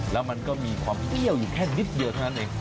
แล้วมันก็มีความเปรี้ยวอยู่แค่นิดเดียวเท่านั้นเอง